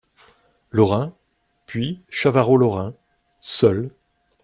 Lorin ; puis Chavarot Lorin , seul.